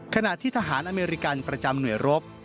ขณะที่ทหารอเมริกันประจำหน่วยรบ